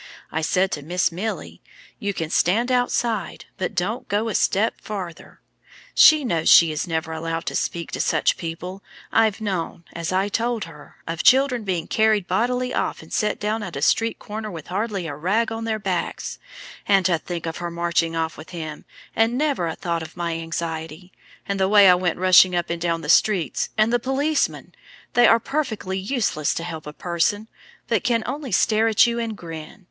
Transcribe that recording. I said to Miss Milly, 'You can stand outside, but don't go a step farther.' She knows she is never allowed to speak to such people; I've known, as I told her, children being carried bodily off and set down at a street corner with hardly a rag on their backs; and to think of her marching off with him, and never a thought of my anxiety and the way I went rushing up and down the streets and the policemen they are perfectly useless to help a person, but can only stare at you and grin.